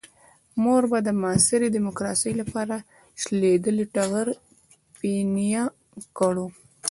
موږ به د معاصرې ديموکراسۍ لپاره شلېدلی ټغر پينه کړو.